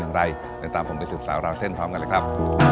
อย่างไรเดี๋ยวตามผมไปสืบสาวราวเส้นพร้อมกันเลยครับ